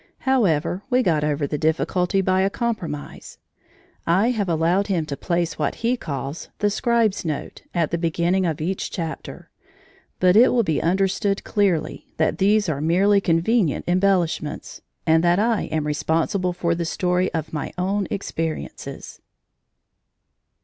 However, we got over the difficulty by a compromise; I have allowed him to place what he calls "The Scribe's Note" at the beginning of each chapter, but it will be understood clearly that these are merely convenient embellishments, and that I am responsible for the story of my own experiences.